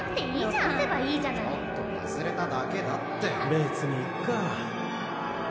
・別にいっか。